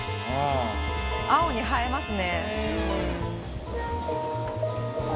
青に映えますね。